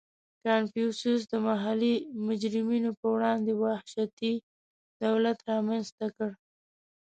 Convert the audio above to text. • کنفوسیوس د محلي مجرمینو په وړاندې وحشتي دولت رامنځته کړ.